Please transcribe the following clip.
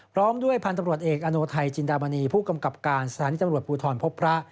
พร้อมด้วยพันธุ์ตำรวจเอกอโนไทยจินดามณีผู้กำกับการสถานีตำรวจภูทรพบพระ